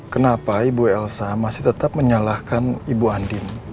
kenapa ibu elsa masih tetap menyalahkan ibu andin